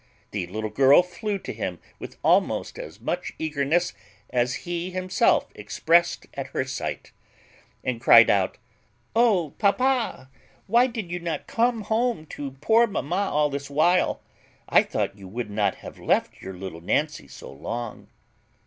The little girl flew to him with almost as much eagerness as he himself exprest at her sight, and cryed out, "O papa, why did you not come home to poor mamma all this while? I thought you would not have left your little Nancy so long."